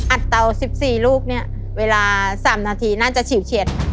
อัดเตาสิบสี่ลูกเนี้ยเวลาสามนาทีน่าจะฉีดเฉียน